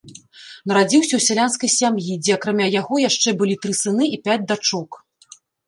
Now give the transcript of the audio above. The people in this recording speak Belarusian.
Нарадзіўся ў сялянскай сям'і, дзе акрамя яго яшчэ былі тры сыны і пяць дачок.